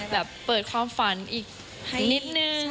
แบบเปิดความฝันอีกนิดนึง